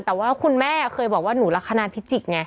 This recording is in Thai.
แต่ว่าคุณแม่เคยบอกว่าหนูลักษณะพิจิกไง